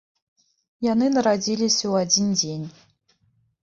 Яны нарадзіліся ў адзін дзень.